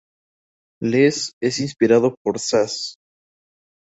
Less es inspirado por Sass.